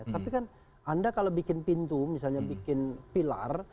tapi kan anda kalau bikin pintu misalnya bikin pilar